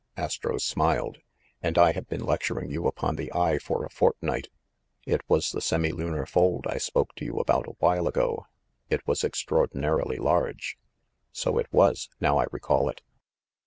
Astro smiled. "And I have been lecturing you upon the eye for a fortnight! It was the 'semilunar fold' I spoke to you about a while ago. It was extraordi narily large." "So it was, now I recall it.